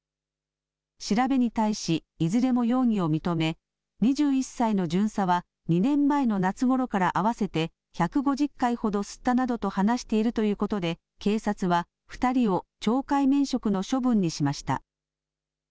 調べに対しいずれも容疑を認め、２１歳の巡査は２年前の夏ごろから合わせて１５０回ほど吸ったなどと話しているということで、警察は２人を懲戒免職の処分にしました。